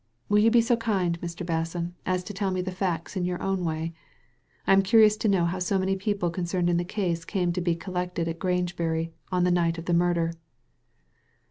Will you be so kind, Mr. Basson, as to tell me the facts in your own way ? I am curious to know how so many people concerned in the case came to be collected in Grangebury on the night of the murder."